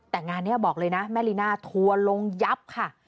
แต่งานนี้บอกเลยนะแม่ลีน่าทัวร์ลงยับค่ะ